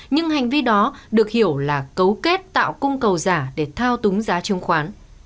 nhưng hành vi đó được hiểu là cấu kết tạo cung cầu giả để thao túng giá chứng khoán